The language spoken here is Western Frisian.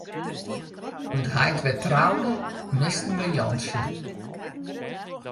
Doe't heit wer troude, misten we Jantsje.